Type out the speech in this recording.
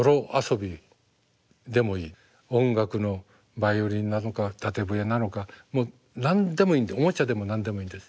音楽のバイオリンなのか縦笛なのかもう何でもいいんでおもちゃでも何でもいいんです。